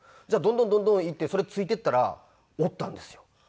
じゃあどんどんどんどん行ってそれついて行ったらおったんですよ。